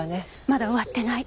まだ終わってない。